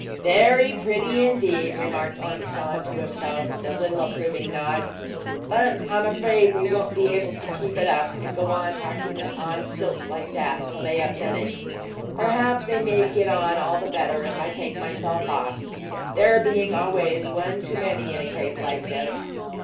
"Very pretty indeed!" remarked Ormiston to himself, with a little approving nod; "but I'm afraid they won't be able to keep it up, and go on talking on stilts like that, till they have finished. Perhaps they may get on all the better if I take myself off, there being always one too many in a case like this."